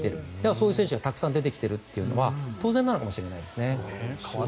そういう選手がたくさん出てきているのは当然なのかもしれないですね。